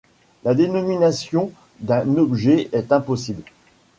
La dénomination d'un objet est impossible.